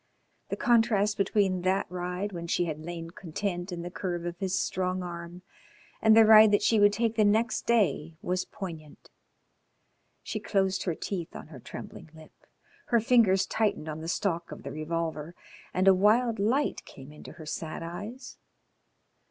The contrast between that ride, when she had lain content in the curve of his strong arm, and the ride that she would take the next day was poignant. She closed her teeth on her trembling lip, her fingers tightened on the stock of the revolver, and a wild light came into her sad eyes.